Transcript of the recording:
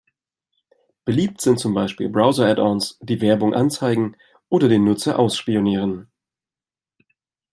Beliebt sind zum Beispiel Browser-Addons, die Werbung anzeigen oder den Nutzer ausspionieren.